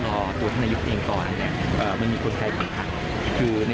แล้วก็มีขั้นก่อน